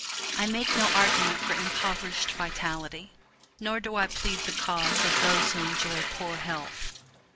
I make no argument for impoverished vitality, nor do I plead the cause of those who enjoy poor health.